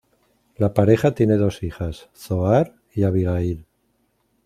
La pareja tiene dos hijas, Zohar y Abigail.